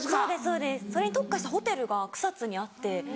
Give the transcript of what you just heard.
そうですそれに特化したホテルが草津にあって。